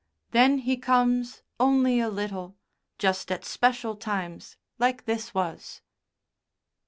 Then he comes only a little just at special times like this was."